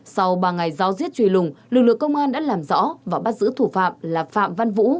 sau ba ngày giao diết truy lùng lực lượng công an đã làm rõ và bắt giữ thủ phạm là phạm văn vũ